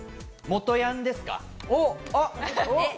元ヤンですか？